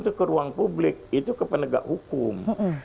itu ke ruang publik itu ke penegak hukum